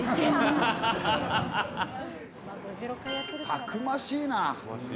たくましいな。